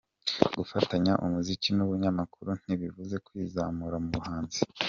Gufatanya umuziki n’ubunyamakuru ntibivuze kwizamura mu buhanzi